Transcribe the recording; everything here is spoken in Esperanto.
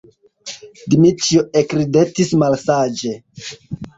Dmiĉjo ekridetis malsaĝe.